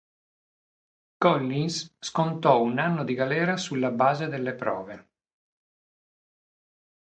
Collins scontò un anno di galera sulla base delle prove.